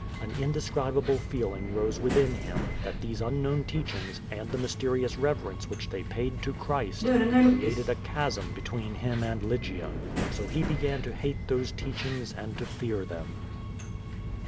An indescriba ble feeling rose within him that these imknown teachings and the mysterious reverence which they paid to Christ, created a chasm between him and Lygia. So he began to hate those teachings and to fear them.